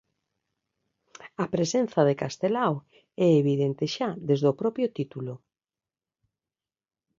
A presenza de Castelao é evidente xa desde o propio título.